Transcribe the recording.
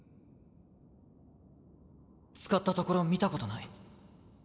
使ったところ見たことない。